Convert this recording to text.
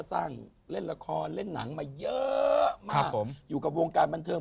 เล่นละครเล่นหนังมาเยอะมากครับผมอยู่กับวงการบันเทิง